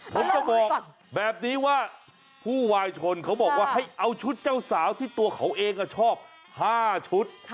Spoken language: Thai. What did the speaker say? ผมจะบอกแบบนี้ว่าผู้วายชนเขาบอกว่าให้เอาชุดเจ้าสาวที่ตัวเขาเองชอบ๕ชุด